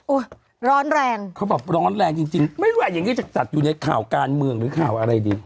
ร้อนแรงเขาบอกร้อนแรงจริงจริงไม่ว่าอย่างนี้จะจัดอยู่ในข่าวการเมืองหรือข่าวอะไรดี